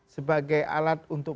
sebagai alat untuk